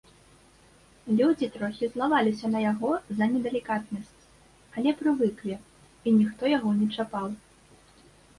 Людзі трохі злаваліся на яго за недалікатнасць, але прывыклі, і ніхто яго не чапаў.